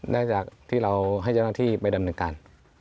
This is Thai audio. ได้จากที่เราให้เจ้าหน้าที่ไปดำเนินการ